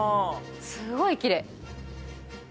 すごいきれい。